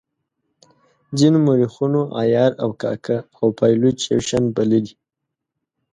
ځینو مورخینو عیار او کاکه او پایلوچ یو شان بللي.